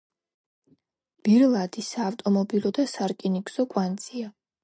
ბირლადი საავტომობილო და სარკინიგზო კვანძია.